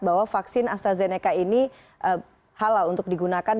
bahwa vaksin astrazeneca ini halal untuk digunakan